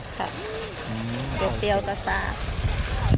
ครับเตรียมเปรี้ยวก็สาบ